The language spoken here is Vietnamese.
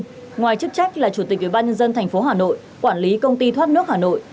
nguyễn đức trung ngoài chức trách là chủ tịch ubnd tp hà nội quản lý công ty thoát nước hà nội